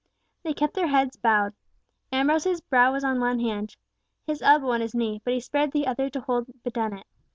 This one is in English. They kept their heads bowed. Ambrose's brow was on one hand, his elbow on his knee, but he spared the other to hold Dennet.